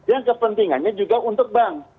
yang kepentingannya juga untuk bank